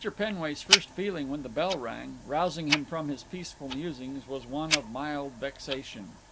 Penway's first feeling when the bell rang, rousing him from his peaceful musings, was one of mild vexation.